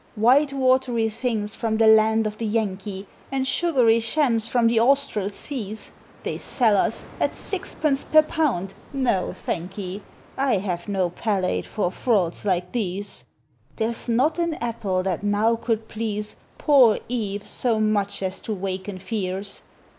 White watery things from the land of the Yankee, And sugary shams from the Austral seas, They sell us at sixpence per pound! No, thankee! I have no palate for frauds like these. There's not an apple that now could please Poor EVE so much as to waken fears.